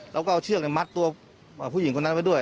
แล้วก็เอาเชือกมัดตัวผู้หญิงคนนั้นไว้ด้วย